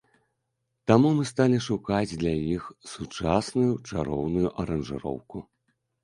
Таму мы сталі шукаць для іх сучасную, чароўную аранжыроўку.